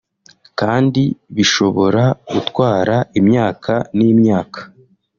kandi bishobora gutwara imyaka n’imyaka